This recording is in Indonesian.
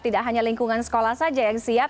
tidak hanya lingkungan sekolah saja yang siap